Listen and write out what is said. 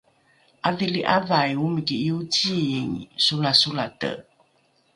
’adhili ’avai omiki iociing solasolate